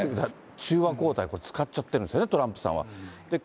中和抗体、これ、使っちゃってるんですね、トランプさんは。